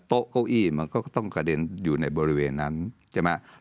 เก้าอี้มันก็ต้องกระเด็นอยู่ในบริเวณนั้นใช่ไหม